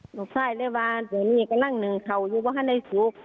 ก็ลูกไส้เลยว่าตอนนี้ก็นั่งหนึ่งเขาอยู่ก็ให้ได้ถูก